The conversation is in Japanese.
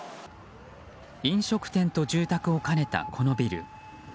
飲食店と住宅を兼ねた、このビル。